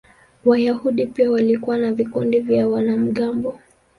Wayahudi pia walikuwa na vikundi vya wanamgambo.